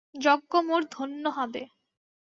যজ্ঞ মোর ধন্য হবে।